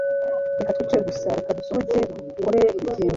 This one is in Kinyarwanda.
Reka twicare gusa Reka dusohoke dukore ikintu